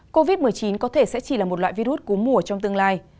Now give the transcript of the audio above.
covid một mươi chín có thể sẽ chỉ là một loại virus cú mùa trong tương lai